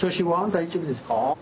大丈夫です。